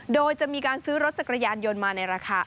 โดยจะมีการซื้อรถจักรยานยนต์มาในราคา